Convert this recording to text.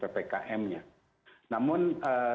namun saya memilih menyarankan untuk